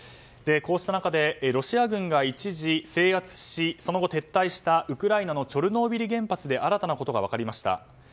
こうした中でロシア軍が一時制圧しその後撤退したチェルノービリ原発で新たなことが分かりました。